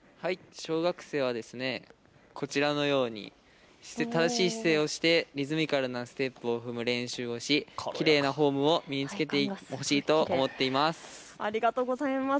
小学生はこちらのように正しい姿勢をして、リズミカルなステップを踏む練習をし、きれいなフォームを身につけてほしいと思っています。